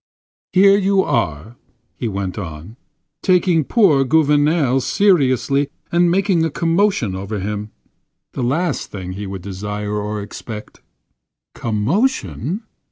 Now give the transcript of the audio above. "Here you are," he went on, "taking poor Gouvernail seriously and making a commotion over him, the last thing he would desire or expect." "Commotion!"